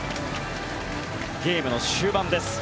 ゲームは終盤です。